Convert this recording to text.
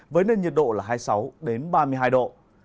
với nền nhiệt độ là hai mươi sáu ba mươi hai độ